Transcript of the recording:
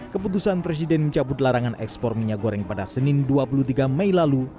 keputusan presiden mencabut larangan ekspor minyak goreng pada senin dua puluh tiga mei lalu